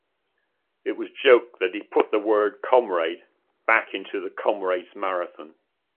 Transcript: It was joked that he put the word 'comrade' back into the Comrades Marathon.